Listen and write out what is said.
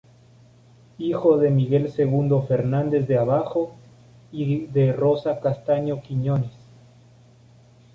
Hijo de Miguel Segundo Fernández de Abajo y de Rosa Castaño Quiñones.